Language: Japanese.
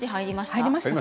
入りました。